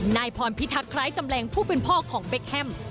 นายพรพิทักษ์คล้ายจำแรงผู้เป็นพ่อของเบคแฮม